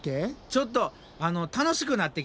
ちょっと楽しくなってきた。